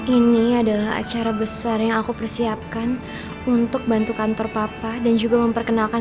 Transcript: ini adalah acara besar yang aku persiapkan untuk bantu kantor papa dan juga memperkenalkan